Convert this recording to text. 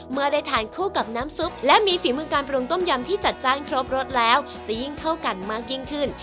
เมื่อได้ทานคู่กับน้ำซุปและมีฝีมือการปรุงต้มยำที่จัดจ้านครบรสแล้วจะยิ่งเข้ากันมากยิ่งขึ้น